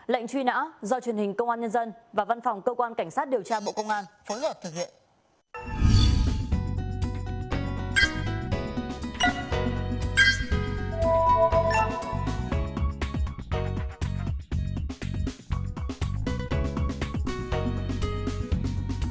lệnh truy nã do truyền hình công an nhân dân và văn phòng cơ quan cảnh sát điều tra bộ công an phối hợp thực hiện